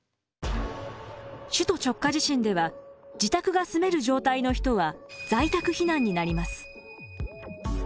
首都直下地震では自宅が住める状態の人は在宅避難になります。